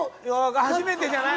初めてじゃない？